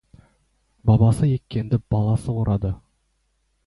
Бабасы еккенді баласы орады.